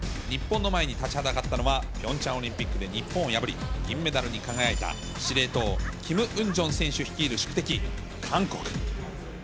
日本の前に立ちはだかったのは、ピョンチャンオリンピックで日本を破り、銀メダルに輝いた、司令塔、キム・ウンジョン選手率いる宿敵、韓国。